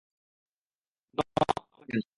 না, আমার লাগবে না।